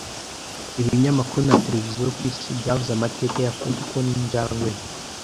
Ibinyamakuru na televiziyo ku isi byavuze amateka ya Koko n'injangwe ye